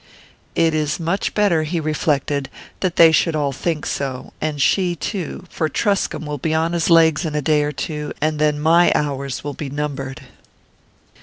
"It is much better," he reflected, "that they should all think so, and she too, for Truscomb will be on his legs again in a day or two, and then my hours will be numbered."